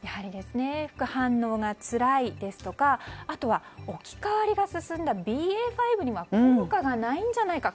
副反応がつらいですとか、あとは置き換わりが進んだＢＡ．２には効果がないんじゃないか。